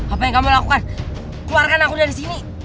apa yang kamu lakukan keluarkan aku dari sini